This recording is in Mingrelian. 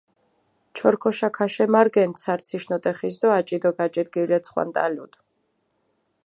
ჩორქოშა ქაშემარგენდჷ ცარციშ ნოტეხის დო აჭი დო გაჭით გილეცხვანტალუდჷ.